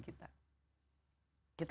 minta bantuan kita